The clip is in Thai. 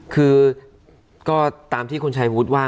คือก็ตามที่คุณชายวุฒิว่า